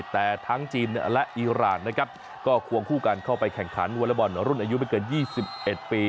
แต่ทั้งจีนและอีรานนะครับก็ควงคู่กันเข้าไปแข่งขันวอเล็กบอลรุ่นอายุไม่เกิน๒๑ปี